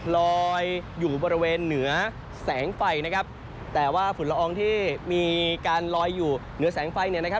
ลอยอยู่บริเวณเหนือแสงไฟนะครับแต่ว่าฝุ่นละอองที่มีการลอยอยู่เหนือแสงไฟเนี่ยนะครับ